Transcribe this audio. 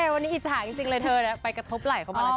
วันนี้อิจฉาจริงเลยเธอไปกระทบไหล่เขามาแล้วจ